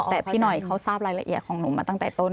แต่พี่หน่อยเขาทราบรายละเอียดของหนูมาตั้งแต่ต้น